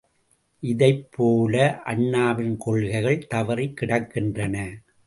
இதைப் போல அண்ணாவின் கொள்கைகள் தவறிக் கிடக்கின்றன.